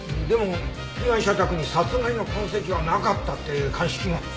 でも被害者宅に殺害の痕跡はなかったって鑑識が。